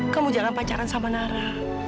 kamu jangan pacarkan sama nara